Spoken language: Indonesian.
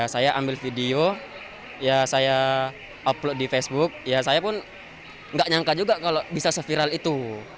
saya ambil video saya upload di facebook saya pun tidak nyangka juga kalau bisa se viral itu